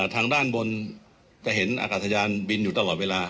ทางด้านบนจะเห็นอากาศยานบินอยู่ตลอดเวลา